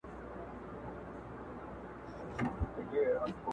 چي څوک دي ئې پر کنسرټ